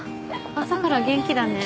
朝から元気だね。